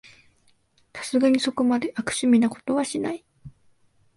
さすがにそこまで悪趣味なことはしない